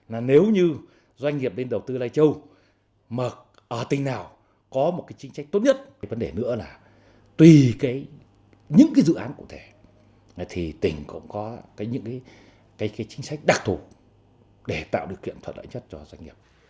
nếu như doanh nghiệp lên đầu tư lai châu tỉnh nào có một chính sách tốt nhất vấn đề nữa là tùy những dự án cụ thể tỉnh cũng có những chính sách đặc thù để tạo được kiện thuận lợi nhất cho doanh nghiệp